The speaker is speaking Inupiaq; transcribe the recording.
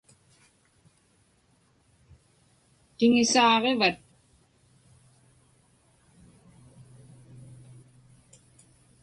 Tiŋisaaġivat?